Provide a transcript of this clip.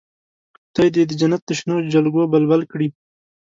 خدای دې د جنت د شنو جلګو بلبل کړي.